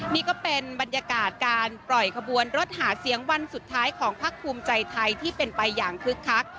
นี่ก็เป็นบรรยากาศการปล่อยขบวนรถหาเสียงวันสุดท้ายของพักภูมิใจไทยที่เป็นไปอย่างคึกคัก